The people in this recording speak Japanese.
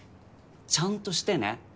ちゃんとしてね。